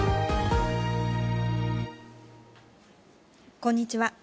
こんにちは。